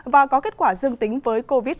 và có kết quả dương tính với covid một mươi chín